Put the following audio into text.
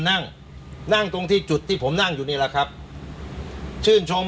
นั่งนั่งตรงที่จุดที่ผมนั่งอยู่นี่แหละครับชื่นชม